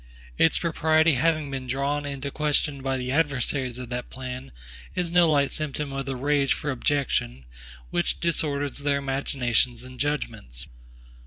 Its propriety having been drawn into question by the adversaries of that plan, is no light symptom of the rage for objection, which disorders their imaginations and judgments.